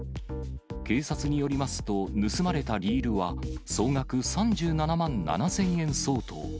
警察によりますと、盗まれたリールは総額３７万７０００円相当。